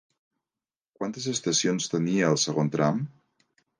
Quantes estacions tenia el segon tram?